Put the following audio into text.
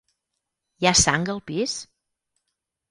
Hi ha sang al pis?